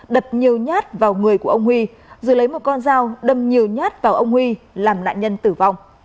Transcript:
đập nhiều nhát vào người của ông huy rồi lấy một con dao đâm nhiều nhát vào ông huy làm nạn nhân tử vong